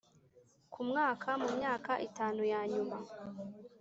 ku mwaka mu myaka itanu ya nyuma